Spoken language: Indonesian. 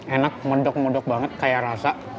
enak mendok mendok banget kayak rasa